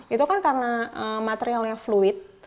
itu kan karena materialnya fluid